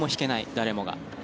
誰もが。